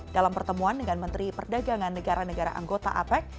dalam pertemuan dengan menteri perdagangan negara negara anggota apec